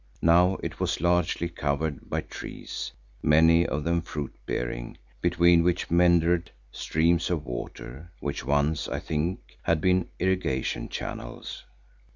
Now it was largely covered by trees, many of them fruit bearing, between which meandered streams of water which once, I think, had been irrigation channels.